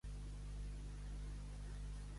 Dia de bou, tot és bou; dia de porc, tot és xulla.